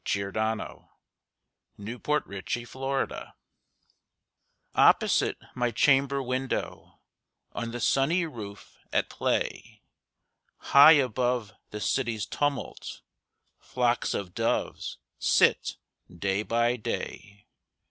Louisa May Alcott My Doves OPPOSITE my chamber window, On the sunny roof, at play, High above the city's tumult, Flocks of doves sit day by day.